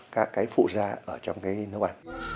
các cái phụ ra ở trong cái nó bạn